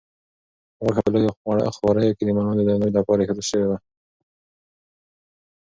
غوښه په لویو غوریو کې د مېلمنو د درناوي لپاره ایښودل شوې وه.